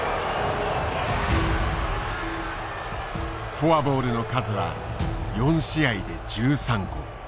フォアボールの数は４試合で１３個。